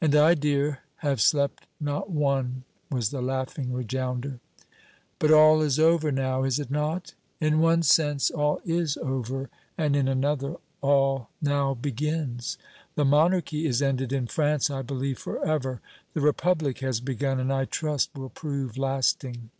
"And I, dear, have slept not one!" was the laughing rejoinder. "But all is over now, is it not?" "In one sense all is over, and in another all now begins. The monarchy is ended in France, I believe, forever. The Republic has begun, and, I trust, will prove lasting."